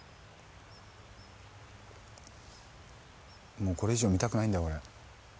もうこれ以上見たくないんだ俺。